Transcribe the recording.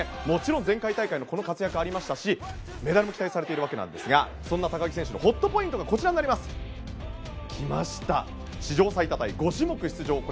もちろん前回大会のこの活躍がありましたしメダルも期待されているわけですがそんな高木選手のホットポイントは史上最多タイ５種目出場。